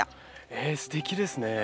えすてきですね。